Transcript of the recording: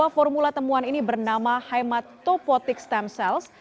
dua formula temuan ini bernama hematopotic stem cells